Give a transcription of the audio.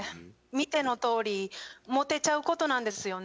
見てのとおりモテちゃうことなんですよね。